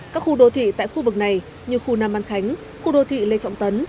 các khu đô thị tại khu vực này như khu nam an khánh khu đô thị lê trọng tấn